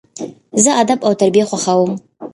زه ادب او تربیه خوښوم.